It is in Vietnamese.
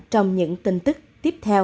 trong những tin tức tiếp theo